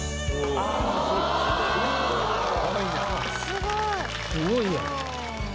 すごいね。